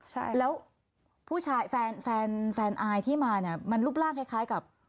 ใช่แล้วผู้ชายแฟนแฟนอายที่มาเนี่ยมันรูปร่างคล้ายกับ